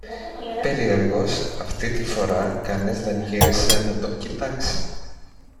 Περιέργως αυτή τη φορά κανείς δεν γύρισε να τον κοιτάξει.